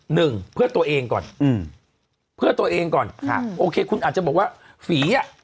หนึ่งเพื่อตัวเองก่อนอืมเพื่อตัวเองก่อนค่ะโอเคคุณอาจจะบอกว่าฝีอ่ะ